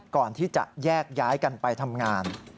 ก่อนที่จะแยกย้ายกันไปทำงาน